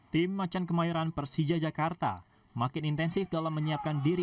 tim macan kemayoran persija jakarta makin intensif dalam menyiapkan diri